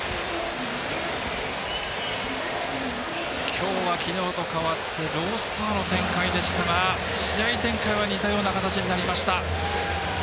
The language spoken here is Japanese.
今日は昨日と変わってロースコアの展開でしたが試合展開は似たような形になりました。